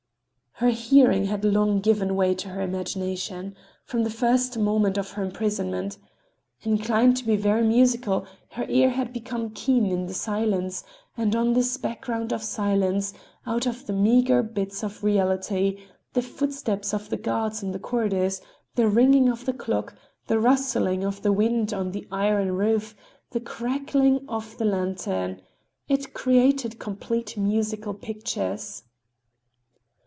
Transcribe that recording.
Her hearing had long given way to her imagination—from the first moment of her imprisonment. Inclined to be very musical, her ear had become keen in the silence, and on this background of silence, out of the meagre bits of reality, the footsteps of the guards in the corridors, the ringing of the clock, the rustling of the wind on the iron roof, the creaking of the lantern—it created complete musical pictures.